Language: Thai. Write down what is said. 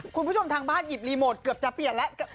คุณผู้ชมทางบ้านหยิบรีโมทเกือบจะเปลี่ยนแล้ว